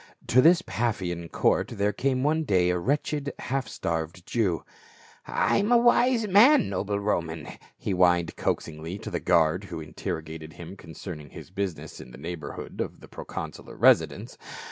To this Paphian court there came one day a wretched half starved Jew, " I am a wise man, noble Roman," he whined coaxingly to the guard who interrogated him concerning his business in the neighborhood of the proconsular residence.